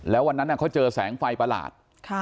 แล้ววันนั้นเขาเจอแสงไฟประหลาด